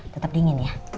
tetap dingin ya